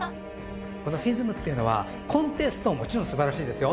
このＦＩＳＭっていうのはコンテストはもちろんすばらしいですよ。